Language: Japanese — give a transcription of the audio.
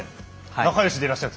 仲よしでいらっしゃる。